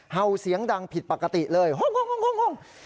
เห่าเสียงดังผิดปกติเลยโฮ้งโฮ้งโฮ้ง